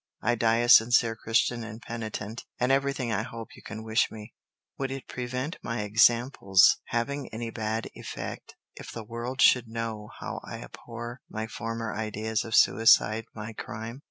I die a sincere Christian and penitent, and everything I hope you can wish me. Would it prevent my example's having any bad effect if the world should know how I abhor my former ideas of suicide, my crime?